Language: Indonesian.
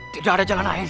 tidak ada jalan lain